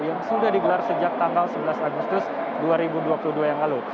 yang sudah digelar sejak tanggal sebelas agustus dua ribu dua puluh dua yang lalu